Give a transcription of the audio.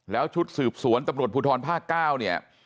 แล้วชุดสืบสวนตำรวจภูทรภาค๙เนี่ย